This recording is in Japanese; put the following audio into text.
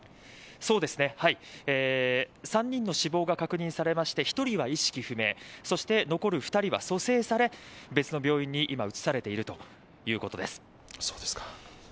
３人の死亡が確認されまして１人は意識不明、残る２人は蘇生され、別の病院に今、移されているということです。